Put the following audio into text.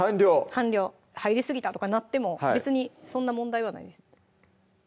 半量入りすぎたとかなっても別にそんな問題はないです